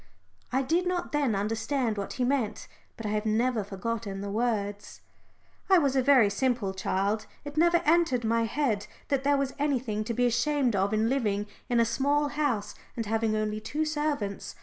I did not then understand what he meant, but I have never forgotten the words. I was a very simple child. It never entered my head that there was anything to be ashamed of in living in a small house and having only two servants.